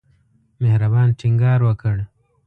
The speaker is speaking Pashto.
مهربان ټینګار وکړ.